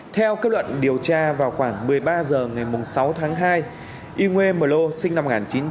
theo kết luận điều tra vào khoảng một mươi ba h ngày sáu tháng hai yngwe mờ lô sinh năm một nghìn chín trăm chín mươi ba